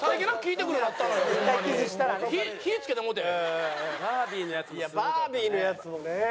いやバービーのやつもね！